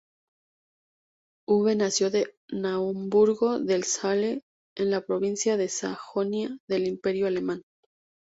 Hube nació en Naumburgo del Saale en la provincia de Sajonia del Imperio alemán.